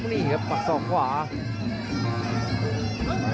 นี่ครับตัดสองเขาขวา